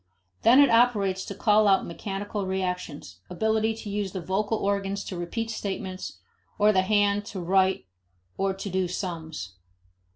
Then it operates to call out mechanical reactions, ability to use the vocal organs to repeat statements, or the hand to write or to do "sums."